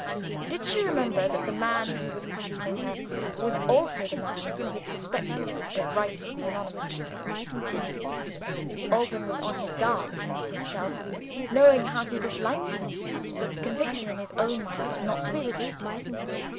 Did she remember that the man who was questioning her, was also the man who had suspected her of writing the anonymous letter? Alban was on his guard against himself, knowing how he disliked her. But the conviction in his own mind was not to be resisted.